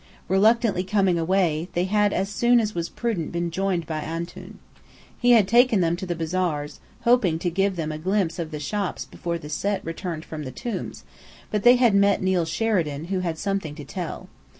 Reluctantly coming away, they had as soon as was prudent been joined by Antoun. He had then taken them to the bazaars, hoping to give them a glimpse of the shops before the Set returned from the Tombs; but they had met Neill Sheridan, who had something to tell.